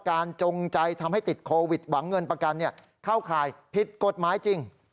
จงใจทำให้ติดโควิดหวังเงินประกันเข้าข่ายผิดกฎหมายจริง